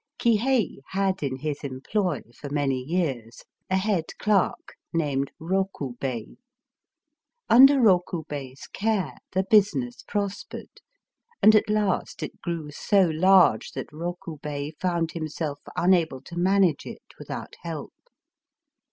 Kihei had in his employ, for many years, a head clerk named Rokubei. Under Rokubei's care the business prospered; — and at last it grew so large that Rokubei found himself unable to manage it without help.